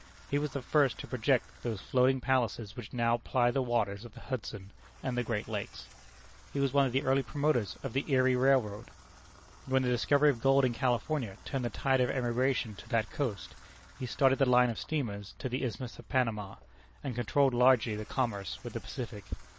He was the first to project those floating palaces which now ply the waters of the Hudson and the great lakes. He was one of the early promoters of the Erie Railroad. When the discovery of gold in California turned the tide of emigration to that coast, he started the line of steamers to the Isthmus of Panama, and controlled largely the commerce with the Pacific.